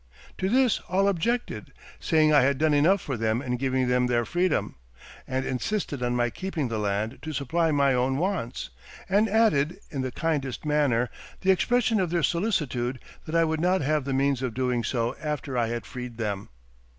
To this all objected, saying I had done enough for them in giving them their freedom; and insisted on my keeping the land to supply my own wants, and added, in the kindest manner, the expression of their solicitude that I would not have the means of doing so after I had freed them.